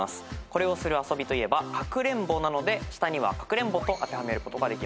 これをする遊びといえばかくれんぼなので下には「かくれんぼ」と当てはめられます。